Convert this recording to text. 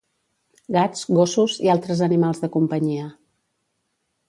Gats, gossos i altres animals de companyia.